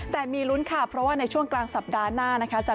แต่มีลุ้นค่ะเพราะว่าในช่วงกลางสัปดาห์หน้านะคะ